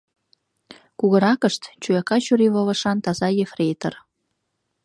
Кугыракышт — чуяка чурийвылышан таза ефрейтор.